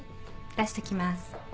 出しときます。